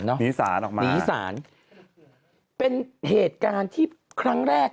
หนีสารออกมาหนีสารเป็นเหตุการณ์ที่ครั้งแรก